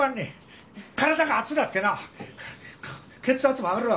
体が熱うなってな血圧も上がるわ。